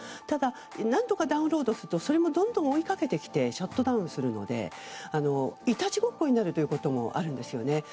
ただ、何とかダウンロードするとそれもどんどん追いかけてきてシャットダウンするのでいたちごっこというところもあるんですよね。